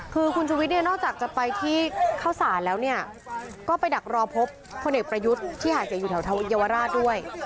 คือคุณชุวิตเนี่ยนอกจากจะไปที่เข้าสารแล้วเนี่ยก็ไปดักรอพบพลเอกประยุทธ์ที่หาเสียงอยู่แถวเยาวราชด้วย